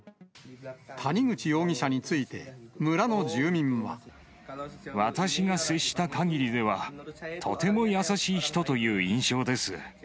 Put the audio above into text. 谷口容疑者について、私が接したかぎりでは、とても優しい人という印象です。